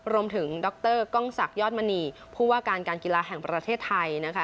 ดรกล้องศักดิยอดมณีผู้ว่าการการกีฬาแห่งประเทศไทยนะคะ